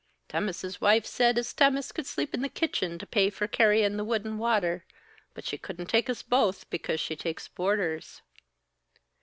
Tammas's wife said as Tammas could sleep in the kitchen to pay for carryin' the wood an' watter, but she couldn't take us both because she takes boarders."